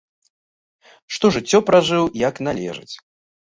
Што жыццё пражыў, як належыць.